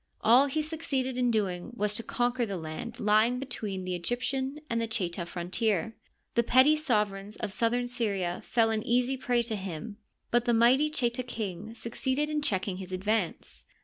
All he succeeded in doing was to conquer the land lying be tween the Egyptian and the Cheta frontier. The petty sovereigns of southern Syria fell an easy prey to him, but the mighty Cheta king succeeded in checking his advance.